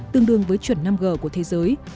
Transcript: tương đương với chuẩn năm g của thế giới